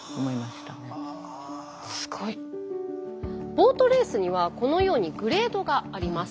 ボートレースにはこのようにグレードがあります。